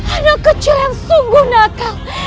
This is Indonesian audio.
anak kecil yang sungguh nakal